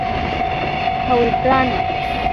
ทวีตลั่น